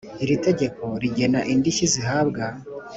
Iri tegeko rigena indishyi zihabwa.